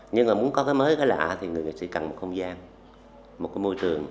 nhưng mà muốn có cái mới cái lạ thì người nghệ sĩ cần một không gian một cái môi trường